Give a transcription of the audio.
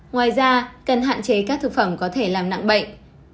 ngoài ra cần hạn chế các thực phẩm có thể làm nặng bệnh